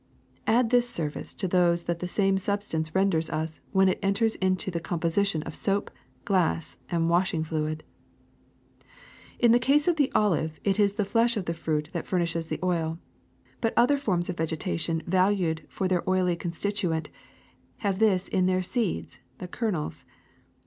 Add this service to those that the same sub stance renders us when it en ters into the composition of soap, glass, and washing fluid. Flowering BrVnch of Walnut ''In the CaSC of the olivC Tree, with Fruit ^ g ^^^ fl^gj^ ^f ^j^^ fj.^i|. that furnishes the oil ; but other forms of vegetation valued for their oily constituent have this in their seeds, their kernels.